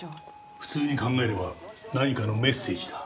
普通に考えれば何かのメッセージだ。